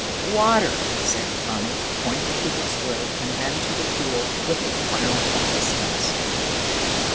"Water!" said Tommy, pointing to his throat, and then to the pool, with a frown of disgust.